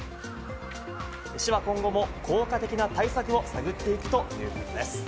市は今後も効果的な対策を探っていくということです。